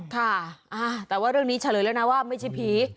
ค่ะแต่ว่าเรื่องนี้เฉลยแล้วนะว่าไม่ใช่ผี